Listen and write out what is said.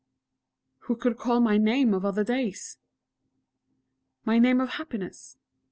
_" Who could call my name of other days?... my name of happiness?